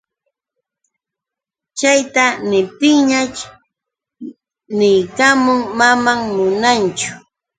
Chayta niptinñash niykamun: manam munaachu.